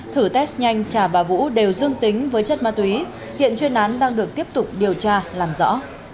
thử test nhanh trà bà vũ đều dương tính với chất ma túy hiện chuyên án đang được tiếp tục điều tra làm rõ